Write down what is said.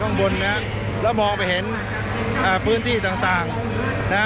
ไปเห็นบรรยากาศข้างบนนะแล้วมองไปเห็นอ่าพื้นที่ต่างต่างนะ